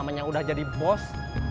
namanya udah jadi bos